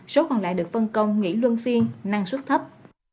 số còn lại được phân công nghỉ luân phiên năng suất thấp